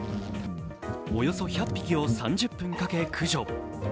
およそ１００匹を３０分かけ駆除。